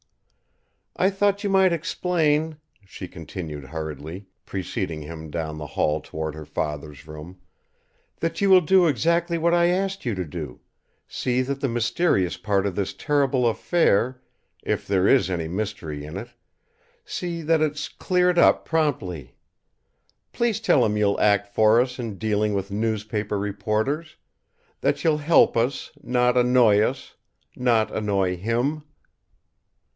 "I thought you might explain," she continued hurriedly, preceding him down the hall toward her father's room, "that you will do exactly what I asked you to do see that the mysterious part of this terrible affair, if there is any mystery in it see that it's cleared up promptly. Please tell him you'll act for us in dealing with newspaper reporters; that you'll help us, not annoy us, not annoy him."